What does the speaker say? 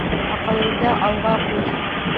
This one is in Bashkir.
Аҡылыңды алға ҡуй.